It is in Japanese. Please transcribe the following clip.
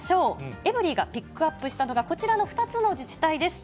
エブリィがピックアップしたのが、こちらの２つの自治体です。